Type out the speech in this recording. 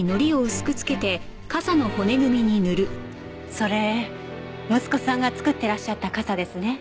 それ息子さんが作ってらっしゃった傘ですね。